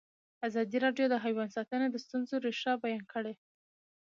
ازادي راډیو د حیوان ساتنه د ستونزو رېښه بیان کړې.